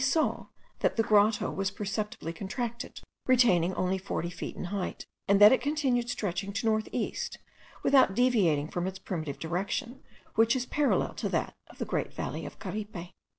We saw that the grotto was perceptibly contracted, retaining only forty feet in height, and that it continued stretching to north east, without deviating from its primitive direction, which is parallel to that of the great valley of Caripe.